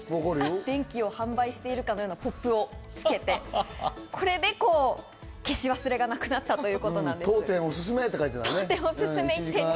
電気を販売しているかのようなポップをつけて、これで消し忘れがなくなったという。